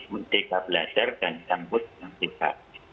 merdeka belajar dan sambut pembela